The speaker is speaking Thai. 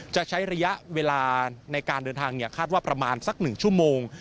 จะใช้ระยะเวลาในการเดินทางคาดว่าประมาณสัก๑ชั่วโมง